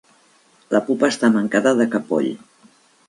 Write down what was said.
La pupa està mancada de capoll.